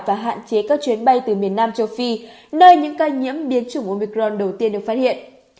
và hạn chế các chuyến bay từ miền nam châu phi nơi những ca nhiễm biến chủng omicron đầu tiên được phát hiện